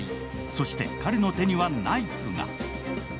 そして彼の手にはナイフが。